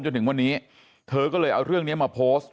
จนถึงวันนี้เธอก็เลยเอาเรื่องนี้มาโพสต์